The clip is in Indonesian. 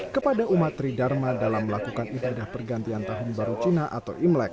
kepada umat tridharma dalam melakukan ibadah pergantian tahun baru cina atau imlek